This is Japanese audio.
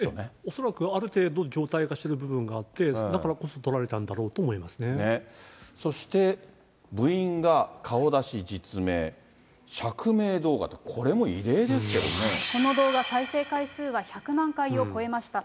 恐らくある程度、状態化している部分があって、だからこそ撮られたんだろうと思いそして部員が顔出し、実名、釈明動画、この動画、再生回数は１００万回を超えました。